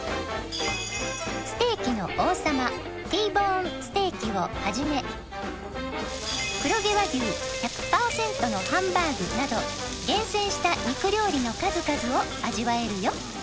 ステーキの王様Ｔボーンステーキをはじめ黒毛和牛１００パーセントのハンバーグなど厳選した肉料理の数々を味わえるよ